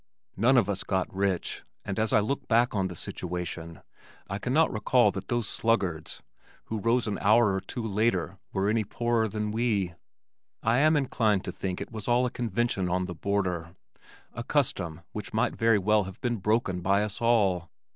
None of us got rich, and as I look back on the situation, I cannot recall that those "sluggards" who rose an hour or two later were any poorer than we. I am inclined to think it was all a convention of the border, a custom which might very well have been broken by us all.